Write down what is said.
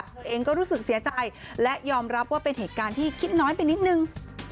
เธอเองก็รู้สึกเสียใจและยอมรับว่าเป็นเหตุการณ์ที่คิดน้อยไปนิดนึง